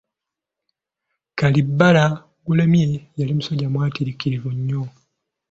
Kalibbala Gulemye yali musajja mwatiikirivu nnyo.